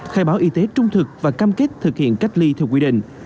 khai báo y tế trung thực và cam kết thực hiện cách ly theo quy định